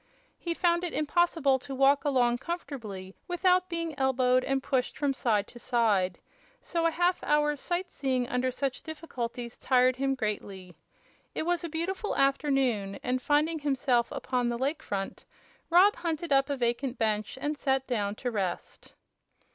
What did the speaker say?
He found it impossible to walk along comfortably without being elbowed and pushed from side to side; so a half hour's sight seeing under such difficulties tired him greatly. It was a beautiful afternoon, and finding himself upon the Lake Front, Rob hunted up a vacant bench and sat down to rest.